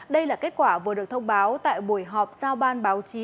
đây là kết quả vừa được thông báo tại buổi họp giao ban báo chí